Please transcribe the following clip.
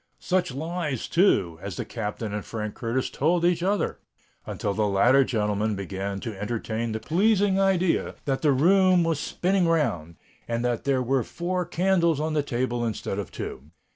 Such lies, too, as the Captain and Frank Curtis told each other! until the latter gentleman began to entertain the pleasing idea that the room was spinning round, and that there were four candles on the table instead of two.